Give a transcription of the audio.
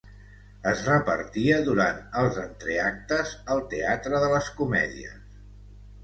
Es repartia durant els entreactes al Teatre de les Comèdies.